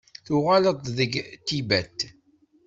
Tuɣaleḍ-d deg Tibet?